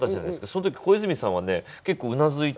その時小泉さんはね結構うなずいて。